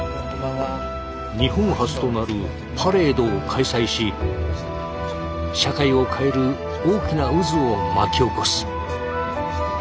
日本初となるパレードを開催し社会を変える大きな渦を巻き起こす。